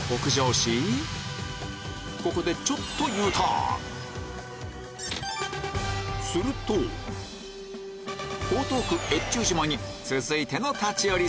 ここでちょっとＵターンすると江東区越中島に続いての立ち寄り